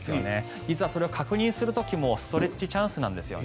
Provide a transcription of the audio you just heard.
実はそれを確認する時もストレッチチャンスなんですね。